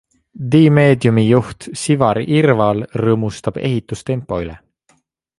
Dimediumi juht Sivar Irval rõõmustab ehitustempo üle.